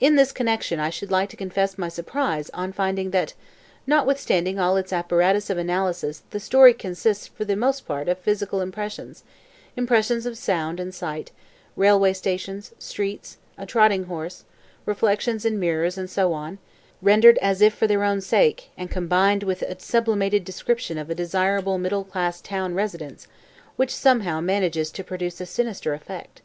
In this connection I should like to confess my surprise on finding that notwithstanding all its apparatus of analysis the story consists for the most part of physical impressions; impressions of sound and sight, railway station, streets, a trotting horse, reflections in mirrors and so on, rendered as if for their own sake and combined with a sublimated description of a desirable middle class town residence which somehow manages to produce a sinister effect.